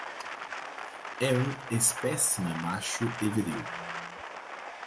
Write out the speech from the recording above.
É um espécime macho e viril